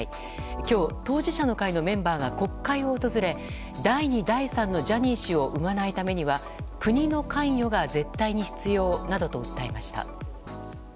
今日、当事者の会のメンバーが国会を訪れ第２、第３のジャニー氏を生まないためには国の関与が絶対に必要などと訴えました。